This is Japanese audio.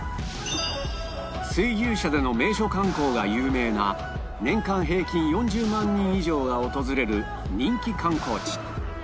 水牛車での名所観光が有名な年間平均４０万人以上が訪れる人気観光地